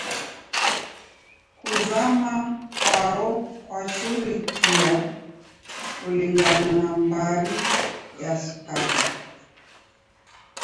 Kuzama kwaro kwachurikia kulingana na mbari ya sukari.